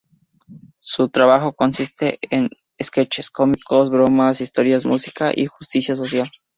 Su trabajo consiste en sketches cómicos, bromas, historias, música y justicia social.